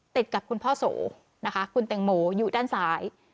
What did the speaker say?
ติดกับคุณพ่อโสนะคะคุณแตงโมอยู่ด้านซ้าย